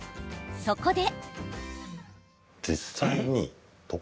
そこで。